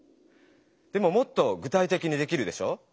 でももっと具体的にできるでしょ？